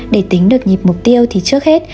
để tính được nhịp mục tiêu thì trước hết